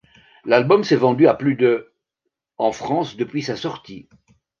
L'album s'est vendu à plus de en France depuis sa sortie.